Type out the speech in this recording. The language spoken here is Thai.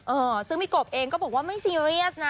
เออซึ่งพี่กบเองก็บอกว่าไม่ซีเรียสนะ